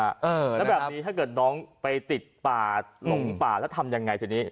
แล้วแบบนี้ถ้าเกิดน้องไปติดป่าหลงป่าแล้วทำยังไงทีนี้